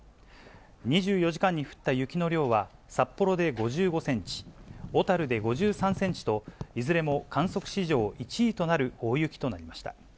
２４時間に降った雪の量は、札幌で５５センチ、小樽で５３センチと、いずれも観測史上１位となる大雪となりました。